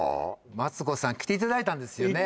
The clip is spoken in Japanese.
マツコさん来ていただいたですよね